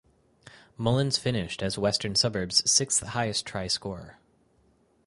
Mullins finished as Western Suburbs sixth highest try scorer.